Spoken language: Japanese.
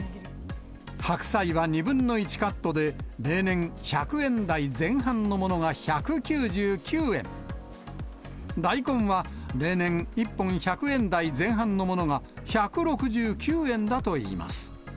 白菜は２分の１カットで、例年１００円台前半のものが、１９９円、大根は例年１本１００円台前半のものが、１６９円だといいます。